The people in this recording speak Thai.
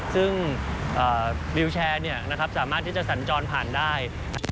ซึ่งวิวแชร์สามารถที่จะสัญจรผ่านได้